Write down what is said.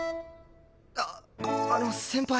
ああの先輩俺。